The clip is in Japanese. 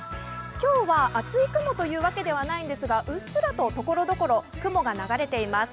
今日は厚い雲というわけではないんですがうっすらとところどころ雲が流れています。